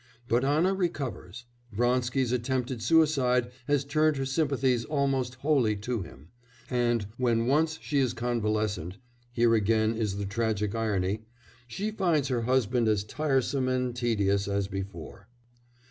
But Anna recovers; Vronsky's attempted suicide has turned her sympathies almost wholly to him, and when once she is convalescent (here again is the tragic irony) she finds her husband as tiresome and tedious as before.